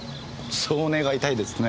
そう願いたいですね。